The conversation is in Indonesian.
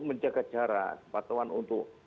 menjaga jarak kepatuan untuk